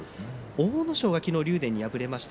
阿武咲、昨日、竜電に敗れました。